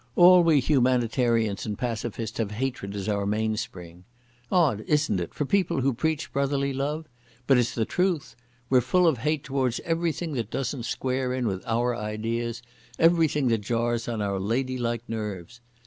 All we humanitarians and pacifists have hatred as our mainspring. Odd, isn't it, for people who preach brotherly love? But it's the truth. We're full of hate towards everything that doesn't square in with our ideas, everything that jars on our lady like nerves.